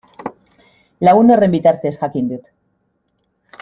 Lagun horren bitartez jakin dut.